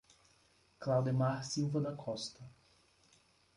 Claudemar Silva da Costa